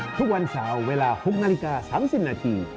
ทุกวันเสาร์เวลา๖นาฬิกา๓๐นาที